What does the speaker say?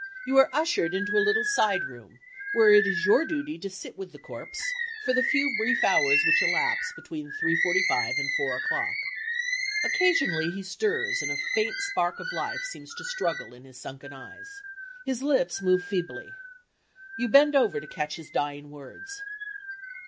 You are ushered into a little side room where it is your duty to sit with the corpse for the few brief hours which elapse between three forty five and four o'clock. Occasionally he stirs and a faint spark of life seems to struggle in his sunken eyes. His lips move feebly. You bend over to catch his dying words.